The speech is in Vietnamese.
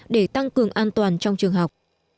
để tăng cường an toàn trong trường học